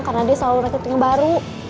karena dia selalu retret tinggal baru